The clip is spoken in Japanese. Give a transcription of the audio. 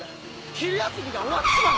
昼休みが終わっちまう！